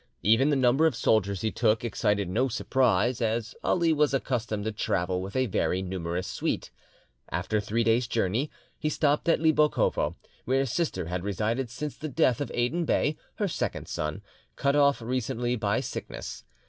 Even the number of soldiers he took excited no surprise, as Ali was accustomed to travel with a very numerous suite. After three days' journey, he stopped at Libokhovo, where his sister had resided since the death of Aden Bey, her second son, cut off recently by wickness.